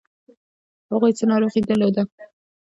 هغوی څه ناروغي درلوده؟